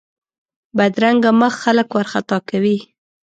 بدرنګه مخ خلک وارخطا کوي